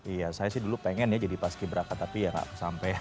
iya saya sih dulu pengen ya jadi pas ki braka tapi ya gak sampai